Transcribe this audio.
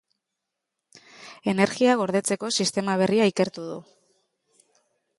Energia gordetzeko sistema berria ikertu du.